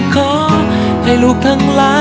เธอหนึ่งน